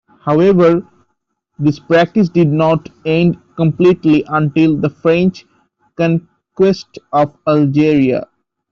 However, this practice did not end completely until the French conquest of Algeria.